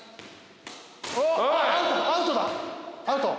アウト？